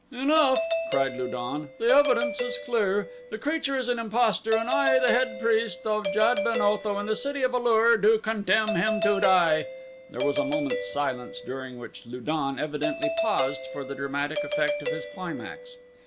"Enough," cried Lu don. "The evidence is clear. The creature is an impostor and I, the head priest of Jad ben Otho in the city of A lur, do condemn him to die." There was a moment's silence during which Lu don evidently paused for the dramatic effect of his climax.